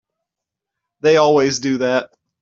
They always do that.